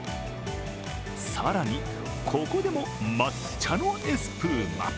更に、ここでも抹茶のエスプーマ。